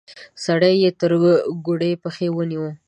سړی يې تر ګوډې پښې ونيو.